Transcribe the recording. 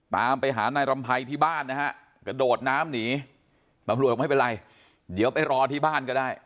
ตามไปหานายรำไพรที่บ้านนะฮะกระโดดน้ำหนีตำรวจบอกไม่เป็นไรเดี๋ยวไปรอที่บ้านก็ได้